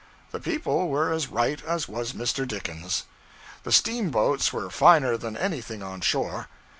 The people were as right as was Mr. Dickens. The steamboats were finer than anything on shore.